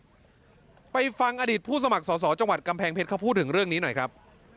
คุณผู้ชมไปฟังอดีตผู้สมัครสอสอจังหวัดกำแพงเพชรเขาพูดถึงเรื่องนี้หน่อยครับ